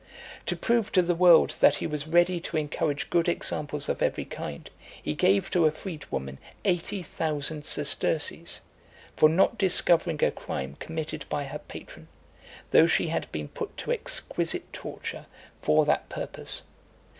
To prove to the world that he was ready to encourage good examples of every kind, he gave to a freed woman eighty thousand sesterces, for not discovering a crime committed by her patron, though she had been put to exquisite torture for that purpose.